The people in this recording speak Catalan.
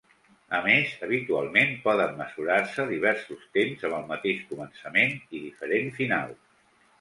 A més, habitualment, poden mesurar-se diversos temps amb el mateix començament i diferent final.